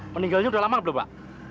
meninggalnya sudah lama pak